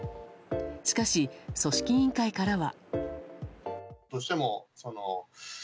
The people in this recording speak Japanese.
しかし、組織委員会からは。